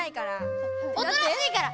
おとなしいから！